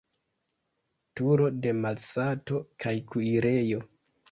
Turo de malsato kaj kuirejo.